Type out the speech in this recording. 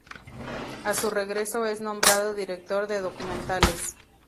A su regreso es nombrado director de documentales.